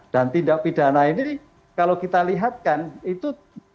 tindak pidana ini kalau kita lihatkan itu